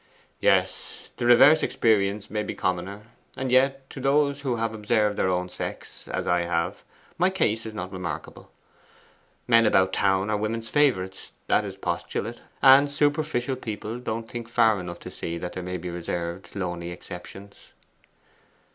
'Yes, the reverse experience may be commoner. And yet, to those who have observed their own sex, as I have, my case is not remarkable. Men about town are women's favourites that's the postulate and superficial people don't think far enough to see that there may be reserved, lonely exceptions.